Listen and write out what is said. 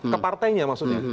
ke partainya maksudnya